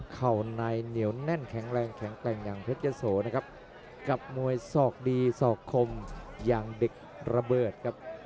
เข่าในเหนียวแน่นแข็งแรงแข็งแกร่งอย่างเพชรยะโสนะครับกับมวยสอกดีศอกคมอย่างเด็กระเบิดครับ